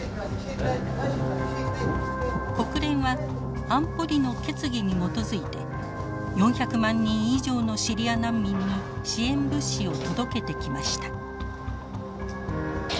国連は安保理の決議に基づいて４００万人以上のシリア難民に支援物資を届けてきました。